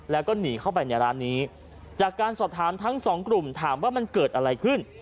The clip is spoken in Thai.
แล้วก็หนีเข้าไปในร้านนี้จากการสอบถามทั้งสองกลุ่มถามว่ามันเกิดอะไรขึ้น